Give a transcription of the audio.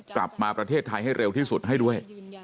กลับมาประเทศไทยให้เร็วที่สุดให้ด้วย